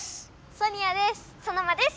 「ソニアです！」。